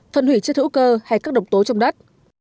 phân hủy chất hữu cơ hay các độc tố trong đất